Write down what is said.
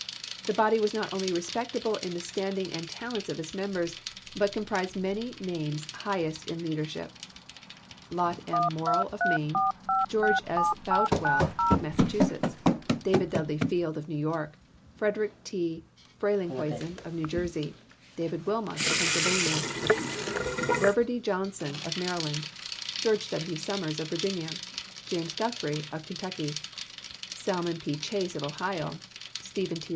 The body was not only respectable in the standing and talents of its mem bers, but comprised many names highest in leader 230 ABRAHAM LINCOLN chap. xiv. ship: Lot M. Morrill, of Maine; George S. Boutwell, of Massachusetts ; David Dudley Field, of New York ; Frederick T. Frelinghuysen, of New Jersey ; David Wilmot, of Pennsylvania ; Reverdy Johnson, of Maryland ; George W. Summers, of Virginia ; James Guthrie, of Kentucky ; Salmon P. Chase, of Ohio ; Stephen T.